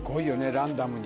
ランダムに。